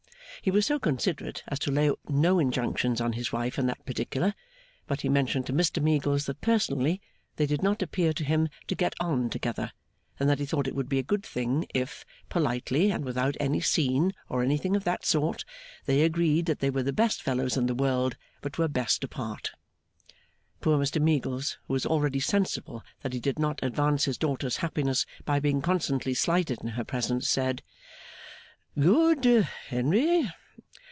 He was so considerate as to lay no injunctions on his wife in that particular; but he mentioned to Mr Meagles that personally they did not appear to him to get on together, and that he thought it would be a good thing if politely, and without any scene, or anything of that sort they agreed that they were the best fellows in the world, but were best apart. Poor Mr Meagles, who was already sensible that he did not advance his daughter's happiness by being constantly slighted in her presence, said 'Good, Henry!